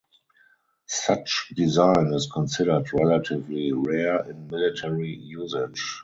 Such design is considered relatively rare in military usage.